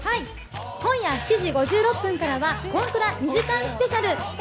今夜７時５６分からは『今くら』２時間スペシャル。